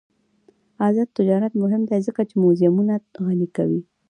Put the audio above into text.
آزاد تجارت مهم دی ځکه چې موزیمونه غني کوي.